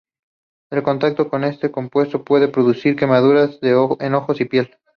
El contacto con este compuesto puede producir quemaduras en ojos y piel.